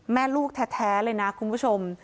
แม่ลูกแท้เลยนะคุณผู้ชม